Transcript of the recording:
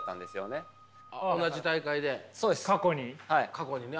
過去にね。